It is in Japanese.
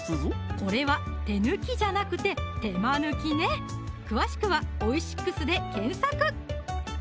これは手抜きじゃなくて手間抜きね詳しくは「オイシックス」で検索